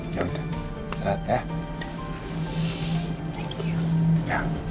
ya udah serat ya